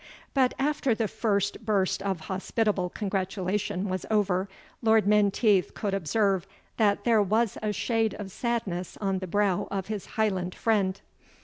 But after the first burst of hospitable congratulation was over, Lord Menteith could observe that there was a shade of sadness on the brow of his Highland friend.